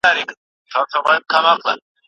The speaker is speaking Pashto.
شاعر وویل چې مینه د هر درد دوا ده.